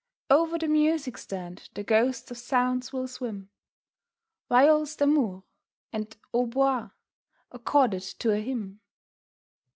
Over the music stand the ghosts of sounds will swim, 'Viols d'amore' and 'hautbois' accorded to a hymn.